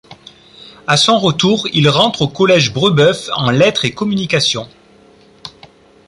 À son retour il rentre au Collège Brebeuf en lettre et communication.